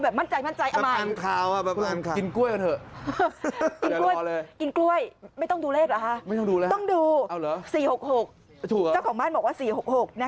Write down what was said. เอาแบบมั่นใจเอาใหม่